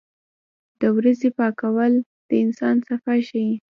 • د ورځې پاکوالی د انسان صفا ښيي.